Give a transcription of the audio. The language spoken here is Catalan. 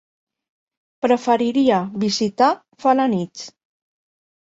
Preferiria visitar Felanitx.